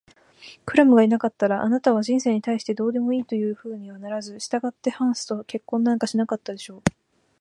クラムがいなかったら、あなたは人生に対してどうでもいいというようなふうにはならず、したがってハンスと結婚なんかしなかったでしょう。